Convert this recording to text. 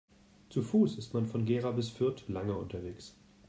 Zu Fuß ist man von Gera bis Fürth lange unterwegs